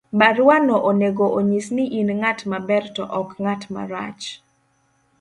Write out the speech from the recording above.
Baruano onego onyis ni in ng'at maber to ok ng'at marach.